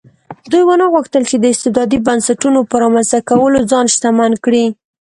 دوی ونه غوښتل چې د استبدادي بنسټونو په رامنځته کولو ځان شتمن کړي.